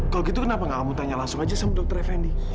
kalau gitu kenapa gak mau tanya langsung aja sama dokter fendi